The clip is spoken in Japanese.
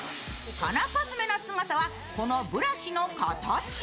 このコスメのすごさはこのブラシの形。